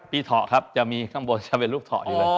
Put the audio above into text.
เถาะครับจะมีข้างบนจะเป็นลูกเถาะอยู่เลย